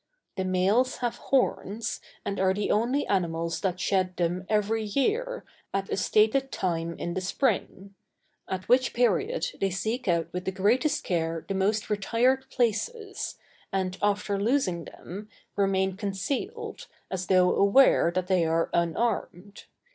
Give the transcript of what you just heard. The males have horns, and are the only animals that shed them every year, at a stated time in the spring; at which period they seek out with the greatest care the most retired places, and after losing them, remain concealed, as though aware that they are unarmed.